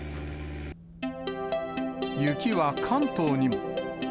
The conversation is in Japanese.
雪は関東にも。